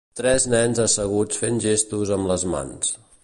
Tres nens asseguts fent gestos amb les mans.